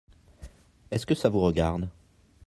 Est-ce que ça vous regarde ?